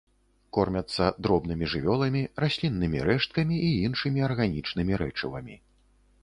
Кормяцца дробнымі жывёламі, расліннымі рэшткамі і іншымі арганічнымі рэчывамі.